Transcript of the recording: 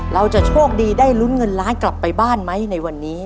เราจะโชคดีได้ลุ้นเงินล้านกลับไปบ้านไหมในวันนี้